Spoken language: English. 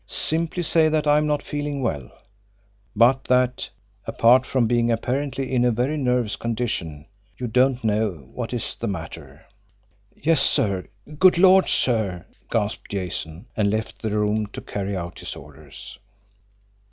Simply say that I am not feeling well; but that, apart from being apparently in a very nervous condition, you do not know what is the matter." "Yes, sir good Lord, sir!" gasped Jason and left the room to carry out his orders.